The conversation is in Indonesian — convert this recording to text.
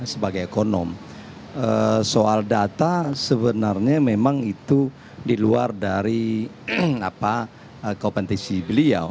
sebagai ekonom soal data sebenarnya memang itu di luar dari kompetisi beliau